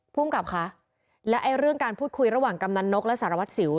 ภูมิกับค่ะและเรื่องการพูดคุยระหว่างกำนันนกและสารวัตรสิว